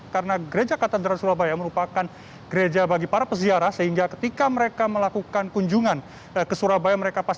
karena gereja katedral surabaya merupakan gereja bagi para peziarah sehingga ketika mereka melakukan kunjungan ke surabaya